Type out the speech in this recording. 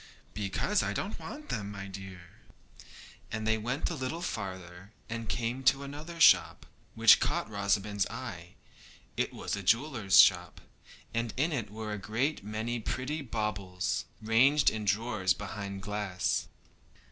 'Because I don't want them, my dear.' They went a little farther, and came to another shop, which caught Rosamond's eye. It was a jeweller's shop, and in it were a great many pretty baubles, ranged in drawers behind glass.